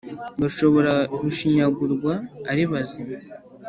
bashobora gushyingurwa ari bazima,